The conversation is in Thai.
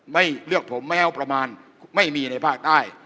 ไม่เลือกผมแม้เอาประมาณไม่มีในภาคใต้